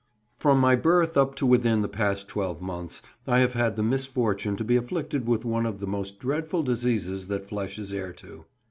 From my birth up to within the past twelve months I have had the misfortune to be afflicted with one of the most dreadful diseases that flesh is heir to.